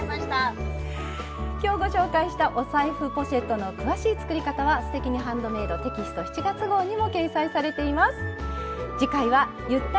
今日ご紹介したお財布ポシェットの詳しい作り方は「すてきにハンドメイド」テキスト７月号にも掲載されています。